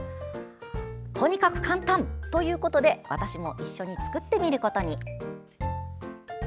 とにかく簡単ということで私も一緒に作ってみることに。